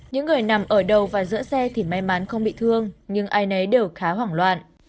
những người nằm ở đầu và giữa xe thì may mắn không bị thương nhưng ai nấy đều khá hoảng loạn